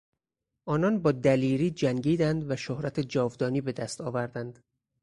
آنان با دلیری جنگیدند و شهرت جاودانی به دست آوردند.